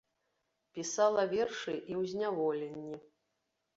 Пісала вершы і ў зняволенні.